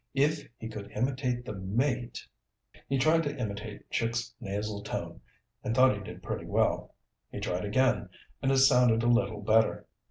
If he could imitate the mate ... He tried to imitate Chick's nasal tone and thought he did pretty well. He tried again, and it sounded a little better.